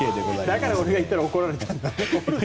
だから、俺が言ったら怒られたんだ。